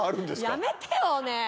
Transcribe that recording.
やめてよねえ。